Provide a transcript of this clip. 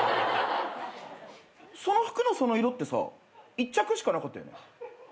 その服のその色ってさ１着しかなかったよね？